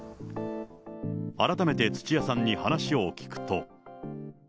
改めて土屋さんに話を聞くと。